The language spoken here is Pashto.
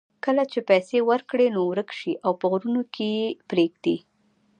کله چې پیسې ورکړې نو ورک شي او په غرونو کې یې پرېږدي.